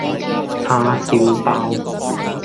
叉燒包